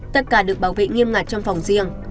tất cả được bảo vệ nghiêm ngặt trong phòng riêng